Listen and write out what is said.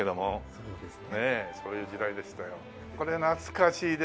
そうですね。